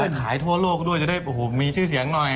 และขายทั่วโลกด้วยจะได้มีชื่อเสียงหน่อย